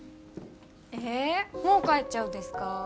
ええもう帰っちゃうんですかぁ？